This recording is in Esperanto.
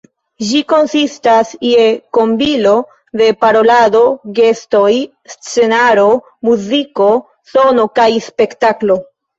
Ĝi konsistas je kombino de parolado, gestoj, scenaro, muziko, sono kaj spektaklo.